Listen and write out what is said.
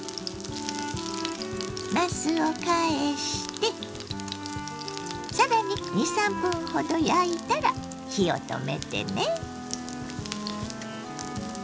なすを返して更に２３分ほど焼いたら火を止めてね。